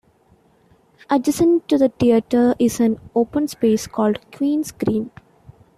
Adjacent to the theatre is an open space called Queen's Green.